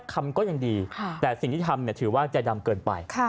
คำก็ยังดีแต่สิ่งที่ทำถือว่าใจดำเกินไป